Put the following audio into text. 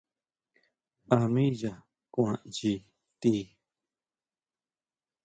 ¿A mí yaa kuan nyi ti?